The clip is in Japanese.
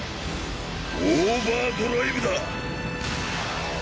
オーバードライブだ！